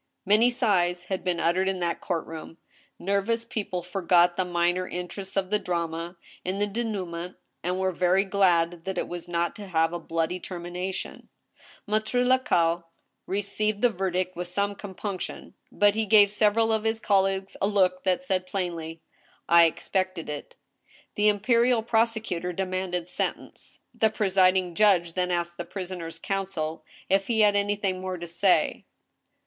Many sighs had been uttered in that court room. Nervous peo ple forgot the minor interests of the drama in the dinoHment, and were very glad that it was not to have a bloody termina tion. Maitre Lacaille received the verdict with some compunction, but he gave several of his colleagues a look that said plainly, " I ex pected it." The imperial prosecutor demanded sentence. The presiding judge then asked the prisoner's counsel if he had anything more to say.